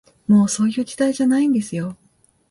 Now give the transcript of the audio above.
もう、そういう時代じゃないんですよ